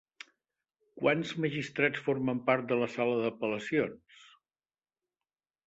Quants magistrats formen part de la sala d'apel·lacions?